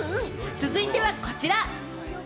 続いてはこちら。